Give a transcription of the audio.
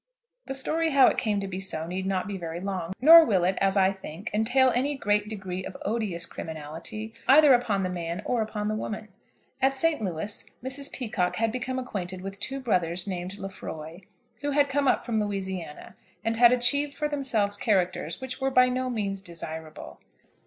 The story how it came to be so need not be very long; nor will it, as I think, entail any great degree of odious criminality either upon the man or upon the woman. At St. Louis Mrs. Peacocke had become acquainted with two brothers named Lefroy, who had come up from Louisiana, and had achieved for themselves characters which were by no means desirable.